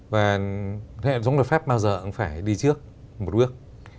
và hệ giống luật pháp bao giờ cũng phải đi trước một bước